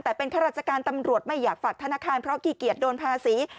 แต่เป็นข้าราชการตำรวจไม่อยากฝากธนาคารเพราะขี้เกียจโดนภาษี